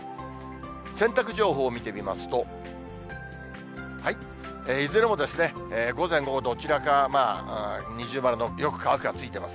洗濯情報を見てみますと、いずれも、午前、午後、どちらか二重丸のよく乾くがついてます。